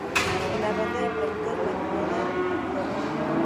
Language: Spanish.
En la ronda de preguntas, la jurado Dra.